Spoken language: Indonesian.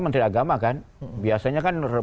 menteri agama kan biasanya kan